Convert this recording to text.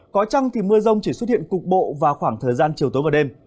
có trăng thì mưa rông chỉ xuất hiện cục bộ vào khoảng thời gian chiều tối và đêm